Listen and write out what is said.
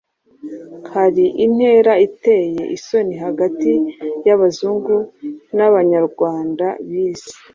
Hari intera iteye isoni hagati y'Abazungu n'Abanyarwanda bize